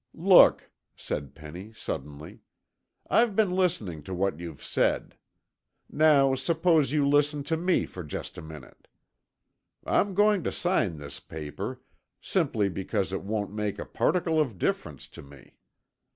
"Look," said Penny suddenly. "I've been listening to what you've said. Now suppose you listen to me for just a minute. I'm going to sign this paper, simply because it won't make a particle of difference to me.